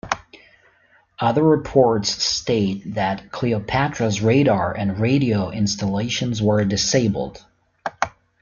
Other reports state that "Cleopatra"s radar and radio installations were disabled.